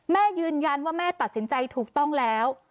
แม่ยืนยันว่าแม่ตัดสินใจถูกต้องแล้ว